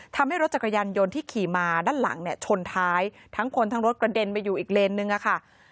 ทำให้รถจักรยานยนต์ที่ขี่มาด้านหลังเนี่ยชนท้ายทั้งคนทั้งรถกระเด็นไปอยู่อีกเลนนึงอะค่ะ